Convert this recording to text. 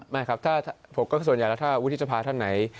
ไม่ครับผมก็ส่วนใหญ่แล้วถ้าวุฒิสภาท่านไหน